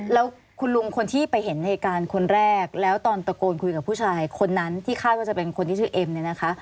แล้วคุณลุงคนที่ไปเห็นเหตุการณ์คนแรกแล้วตอนตะโกนคุยกับผู้ชายคนนั้นที่คาดว่าจะเป็นคนที่ชื่อเอ็มเนี่ยนะคะ